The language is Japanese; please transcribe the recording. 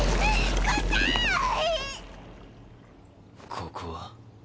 ここは？